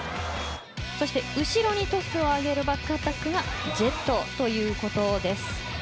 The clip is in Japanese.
そして後ろにトスを上げるバックアタックがジェットです。